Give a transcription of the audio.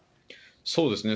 そうですね。